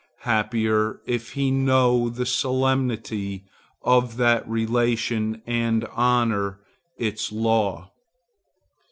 Happier, if he know the solemnity of that relation and honor its law!